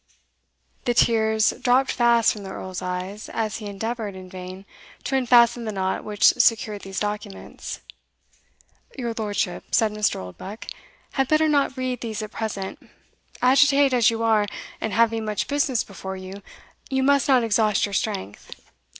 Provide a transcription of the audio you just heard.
The tears dropped fast from the Earl's eyes, as he endeavoured, in vain, to unfasten the knot which secured these documents. "Your lordship," said Mr. Oldbuck, "had better not read these at present. Agitated as you are, and having much business before you, you must not exhaust your strength.